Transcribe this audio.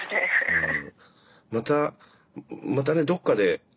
うん。